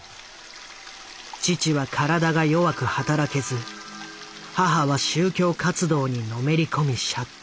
父は体が弱く働けず母は宗教活動にのめり込み借金まみれ。